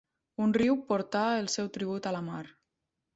Un riu portar el seu tribut a la mar.